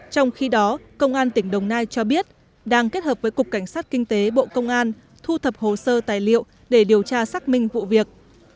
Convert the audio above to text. trong khi đó công an tỉnh đồng nai cho biết đang kết hợp với cục cảnh sát kinh tế bộ công an thu thập hồ sơ tài liệu để điều tra xác minh vụ việc